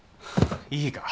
いいか？